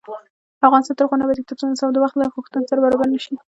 افغانستان تر هغو نه ابادیږي، ترڅو نصاب د وخت له غوښتنو سره برابر نشي.